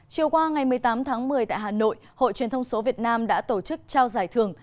chiều qua ngày một mươi tám tháng một mươi tại hà nội hội truyền thông số việt nam đã tổ chức trao giải thưởng